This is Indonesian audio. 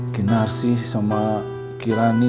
kinar sih sama kirani